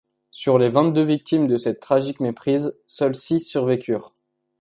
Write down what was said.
Sur les vingt-deux victimes de cette tragique méprise, seules six survécurent.